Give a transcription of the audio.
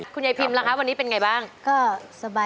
คุณยายพริมล่ะคะวันนี้เป็นอย่างไรบ้าง